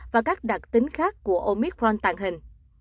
và các đặc tính khác của omicron tàng hình